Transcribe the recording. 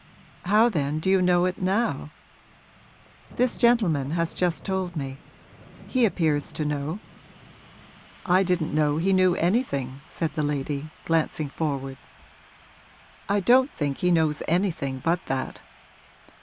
'How then do you know it now?' 'This gentleman has just told me he appears to know.' 'I didn't know he knew anything,' said the lady, glancing forward. 'I don't think he knows anything but that.'